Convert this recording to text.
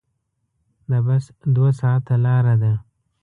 د بس دوه ساعته لاره ده.